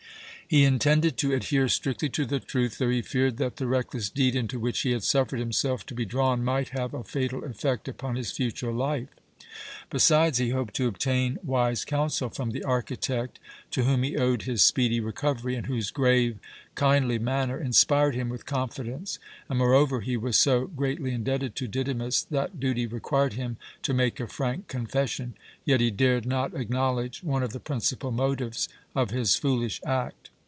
He intended to adhere strictly to the truth, though he feared that the reckless deed into which he had suffered himself to be drawn might have a fatal effect upon his future life. Besides, he hoped to obtain wise counsel from the architect, to whom he owed his speedy recovery, and whose grave, kindly manner inspired him with confidence; and, moreover, he was so greatly indebted to Didymus that duty required him to make a frank confession yet he dared not acknowledge one of the principal motives of his foolish act.